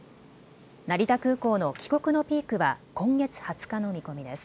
成田空港の帰国のピークは今月２０日の見込みです。